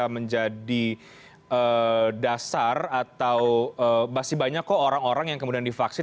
vaksin juga tidak bisa menjadi dasar atau masih banyak kok orang orang yang kemudian divaksin